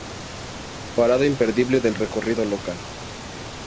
Parada imperdible del recorrido local.